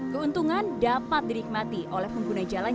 keuntungan dapat dinikmati oleh pengguna jalan